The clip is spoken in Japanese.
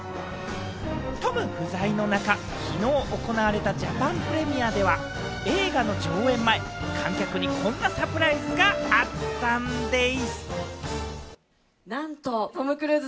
トム不在の中、きのう行われたジャパンプレミアでは映画の上映前、観客にこんなサプライズがあったんでぃす。